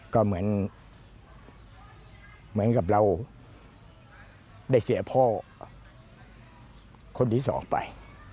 ก็เหมือนกับเราได้เสียพ่อคนที่สองไป